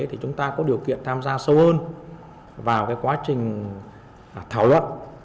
thì chúng ta có điều kiện tham gia sâu hơn vào cái quá trình thảo luận